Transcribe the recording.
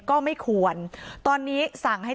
ก็ไม่ควรตอนนี้สั่งให้